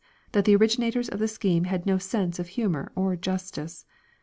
that the originators of the scheme have no sense of humour or justice.